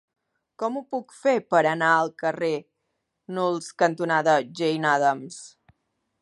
Com ho puc fer per anar al carrer Nulles cantonada Jane Addams?